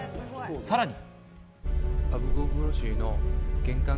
さらに。